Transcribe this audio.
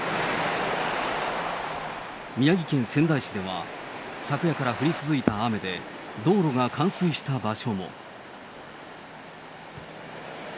宮城県仙台市では、昨夜から降り続いた雨で、道路が冠水した場所も。